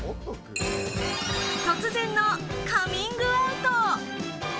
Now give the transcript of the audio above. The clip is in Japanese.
突然のカミングアウト。